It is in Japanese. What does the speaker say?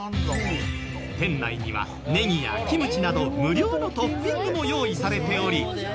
店内にはネギやキムチなど無料のトッピングも用意されており。